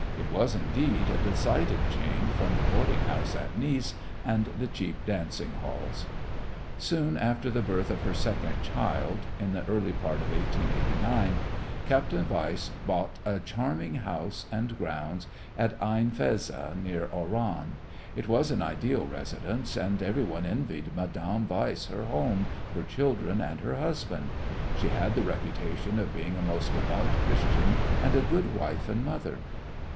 It was, indeed, a decided change from the boarding house at Nice and the cheap dancing halls. Soon after the birth of her second child in the early part of 1889 Captain Weiss bought a charming house and grounds at Ain Fezza, near Oran. It was an ideal residence, and everyone envied Madame Weiss her home, her children and her husband. She had the reputation of being a most devout Christian and a good wife and mother.